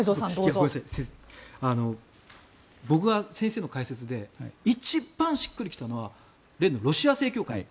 僕が先生の解説で一番しっくり来たのは例のロシア正教会。